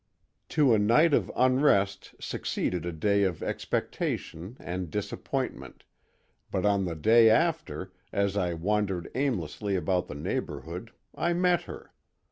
"To a night of unrest succeeded a day of expectation and disappointment, but on the day after, as I wandered aimlessly about the neighborhood, I met her.